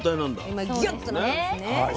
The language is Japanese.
今ギュッとなってるんですね。